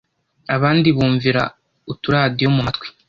abandi bumvira uturadiyo mu matwi